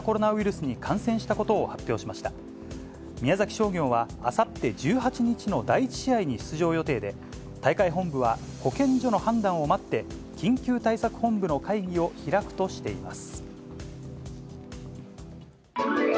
商業は、あさって１８日の第１試合に出場予定で、大会本部は、保健所の判断を待って、緊急対策本部の会議を開くとしています。